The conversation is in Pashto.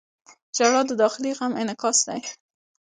• ژړا د داخلي غم انعکاس دی.